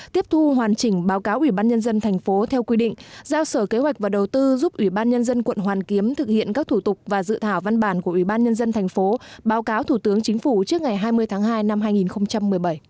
tiếp thu hoàn chỉnh báo cáo ủy ban nhân dân thành phố theo quy định giao sở kế hoạch và đầu tư giúp ủy ban nhân dân quận hoàn kiếm thực hiện các thủ tục và dự thảo văn bản của ủy ban nhân dân thành phố báo cáo thủ tướng chính phủ trước ngày hai mươi tháng hai năm hai nghìn một mươi bảy